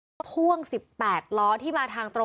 มีคนเสียชีวิตคุณ